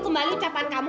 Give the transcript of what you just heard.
kembali ucapan kamu